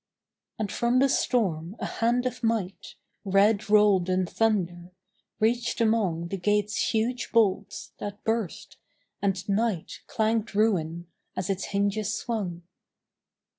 And from the storm a hand of might, Red rolled in thunder, reached among The gate's huge bolts, that burst and night Clanged ruin as its hinges swung.